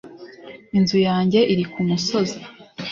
inzu yanjye iri kumusozi